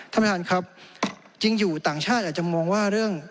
ท่านประธานครับจริงอยู่ต่างชาติอาจจะมองว่าเรื่อง